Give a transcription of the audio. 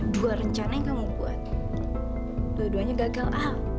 dua rencana yang kamu buat dua duanya gagal ah